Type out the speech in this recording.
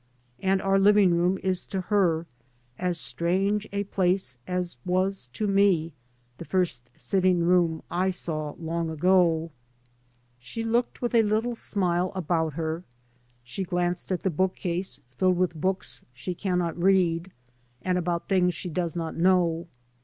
And our living room is to her as strange a place as was to me the first sitting room I saw long ago. 3 by Google MY MOTHER AND I She looked with a little smile about her. She glanced at the bookcase, filled with books she cannot read, and about things she does not know.